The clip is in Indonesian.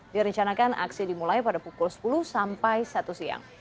direncanakan aksi dimulai pada pukul sepuluh sampai satu siang